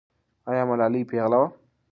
آیا ملالۍ پېغله وه؟